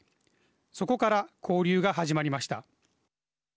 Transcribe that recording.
そこから交流が始まりました。